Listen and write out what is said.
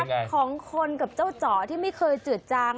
ของคนกับเจ้าจ๋อที่ไม่เคยจืดจาง